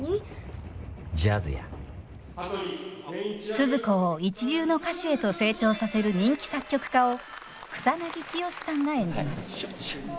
スズ子を一流の歌手へと成長させる人気作曲家を草剛さんが演じます。